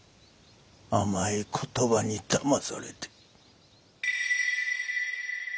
甘い言葉にだまされて。